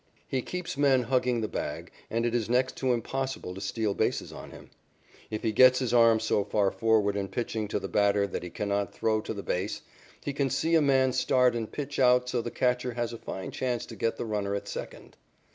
He keeps men hugging the bag, and it is next to impossible to steal bases on him. If he gets his arm so far forward in pitching to the batter that he cannot throw to the base, he can see a man start and pitch out so the catcher has a fine chance to get the runner at second.